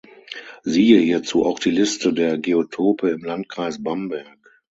Siehe hierzu auch die Liste der Geotope im Landkreis Bamberg.